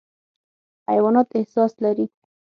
حیوانات احساس لري.